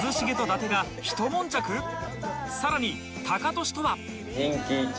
さらにタカトシとは